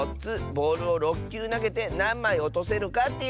ボールを６きゅうなげてなんまいおとせるかっていうチャレンジだよ。